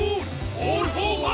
オールフォーワン！